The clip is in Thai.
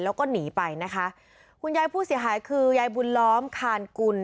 แล้วก็หนีไปนะคะคุณยายผู้เสียหายคือยายบุญล้อมคานกุล